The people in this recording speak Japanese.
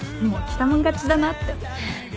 もう着たもん勝ちだなって。